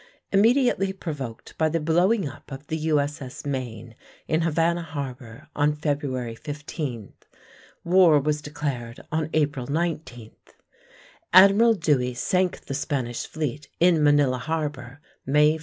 Immediately provoked by the blowing up of the U.S.S. Maine in Havana harbor on February 15, war was declared on April 19. Admiral Dewey sank the Spanish fleet in Manila Harbor, May 1.